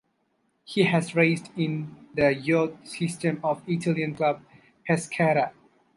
He was raised in the youth system of Italian club Pescara.